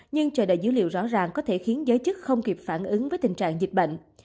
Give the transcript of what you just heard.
nhưng chờ đợi dữ liệu rõ ràng có thể khiến giới chức không kịp phản ứng với tình trạng dịch bệnh